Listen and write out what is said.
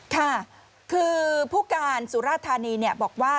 ค่ะคือผู้การสุราธานีบอกว่า